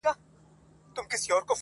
دي مړ سي، زموږ پر زړونو مالگې سيندي__